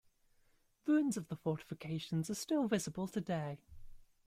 Ruins of the fortifications are still visible today.